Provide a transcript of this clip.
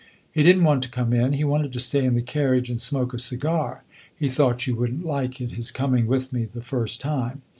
He did n't want to come in he wanted to stay in the carriage and smoke a cigar; he thought you would n't like it, his coming with me the first time.